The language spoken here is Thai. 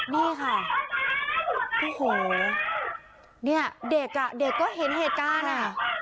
นี่ค่ะโอ้โหเนี่ยเด็กอ่ะเด็กก็เห็นเหตุการณ์อ่ะ